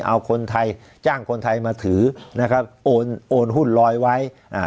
เอาคนไทยจ้างคนไทยมาถือนะครับโอนโอนหุ้นลอยไว้อ่า